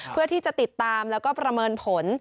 เพื่อที่จะติดตามแล้วก็ประเมินผล